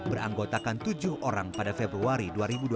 beranggotakan tujuh orang pada februari dua ribu dua puluh